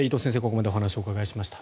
ここまでお話をお伺いしました。